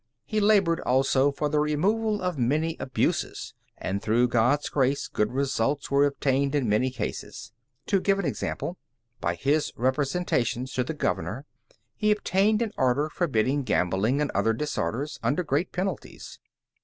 He labored also for the removal of many abuses, and through God's grace good results were obtained in many cases. To give an example: By his representations to the governor he obtained an order forbidding gambling and other disorders, under great penalties.